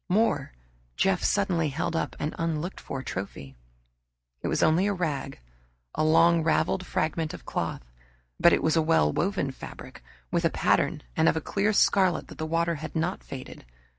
More Jeff suddenly held up an unlooked for trophy. It was only a rag, a long, raveled fragment of cloth. But it was a well woven fabric, with a pattern, and of a clear scarlet that the water had not faded.